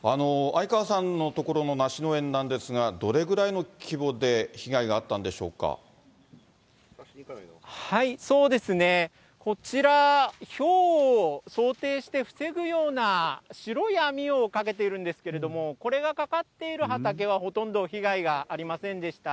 相川さんのところのなし農園なんですが、どれぐらいの規模でこちら、ひょうを想定して、防ぐような白い網をかけているんですけれども、これがかかっている畑は、ほとんど被害がありませんでした。